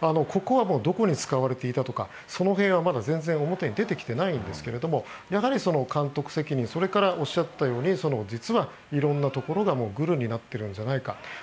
ここはどこに使われていたとかその辺は全然、表に出てきてないんですがやはり、監督責任それからおっしゃったように実は色んなところがグルになっているんじゃないか。